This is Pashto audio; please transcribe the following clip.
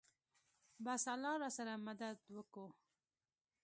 بس الله راسره مدد وکو.